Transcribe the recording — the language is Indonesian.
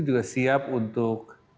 juga siap untuk